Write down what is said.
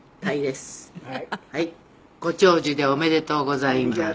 「ご長寿でおめでとうございます」